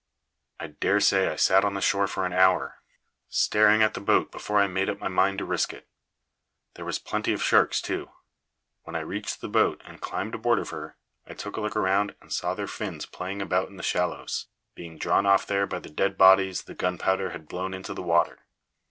I dare say I sat on the shore for an hour, staring at the boat before I made up my mind to risk it. There was a plenty of sharks, too. When I reached the boat and climbed aboard of her, I took a look around and saw their fins playing about in the shallows, being drawn off there by the dead bodies the gunpowder had blown into the water.